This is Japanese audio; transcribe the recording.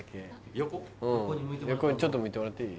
横にちょっと向いてもらっていい？